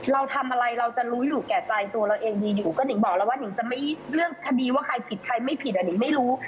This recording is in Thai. เราทำอะไรเราจะรู้อยู่แก่ใจตัวเราเองดีอยู่ก็นิ่งบอกแล้วว่านิงจะไม่เรื่องคดีว่าใครผิดใครไม่ผิดอ่ะนิงไม่รู้